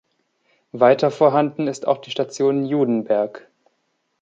Weiter vorhanden ist auch die Station "Judenberg".